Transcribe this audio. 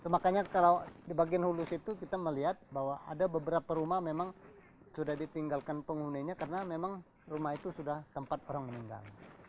makanya kalau di bagian hulus itu kita melihat bahwa ada beberapa rumah memang sudah ditinggalkan penghuninya karena memang rumah itu sudah sempat orang meninggal